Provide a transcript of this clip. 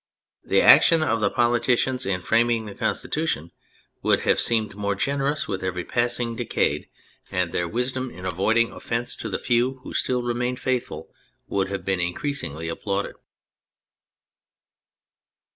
The action of the politicians in framing the Constitution would have seemed more generous with every passing decade 288 THE FRENCH REVOLUTION and their wisdom in avoiding offence to the few who still remained faithful, would have been increasingly applauded.